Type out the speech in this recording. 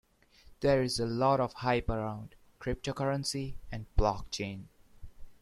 There is a lot of hype around cryptocurrency and block-chain.